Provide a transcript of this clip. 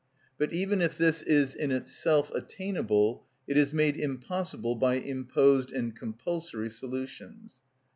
But even if this is in itself attainable, it is made impossible by imposed and compulsory solutions.